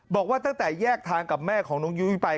บอกว่าตั้งแต่แยกทางกับแม่ของน้องยุ้ยไป